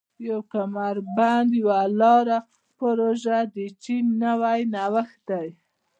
د یو کمربند یوه لار پروژه د چین نوی نوښت دی.